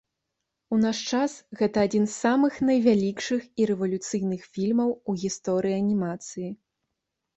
У наш час гэта адзін з самых найвялікшых і рэвалюцыйных фільмаў у гісторыі анімацыі.